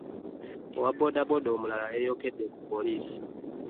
Owa booda booda omulala yeeyokedde ku poliisi